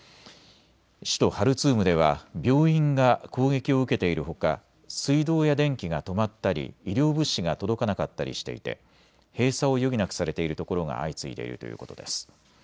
首都ハルツームでは病院が攻撃を受けているほか水道や電気が止まったり医療物資が届かなかったりしていて閉鎖を余儀なくされているところが相次いでいるということです。